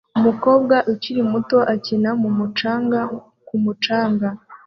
Umukobwa ukiri muto akina mu mucanga ku mucanga